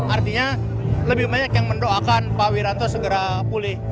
artinya lebih banyak yang mendoakan pak wiranto segera pulih